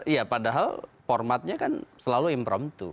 iya padahal formatnya kan selalu impromptu